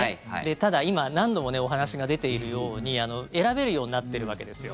ただ、今何度もお話が出ているように選べるようになっているわけですよ。